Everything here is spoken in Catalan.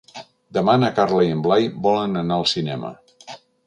Demà na Carla i en Blai volen anar al cinema.